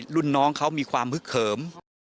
รุ่นน้องเขามีความฮึกเหิม